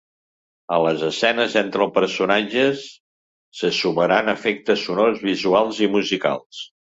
A les escenes entre els personatges se sumaran efectes sonors, visuals i musicals.